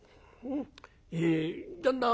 え旦那